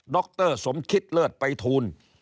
รสมคิตเลิศไปทูล